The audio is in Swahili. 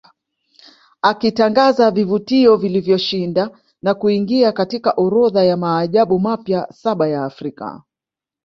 Akitangaza vivutio vilivyoshinda na kuingia katika orodha ya maajabu mapya saba ya Afrika